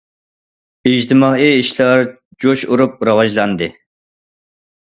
ئىجتىمائىي ئىشلار جۇش ئۇرۇپ راۋاجلاندى.